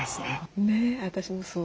ねえ私もそう。